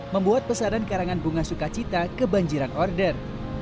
membuat pesanan karangan bunga sukacita kebanjiran order